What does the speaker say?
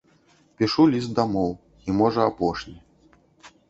Пішу ліст дамоў, і, можа, апошні.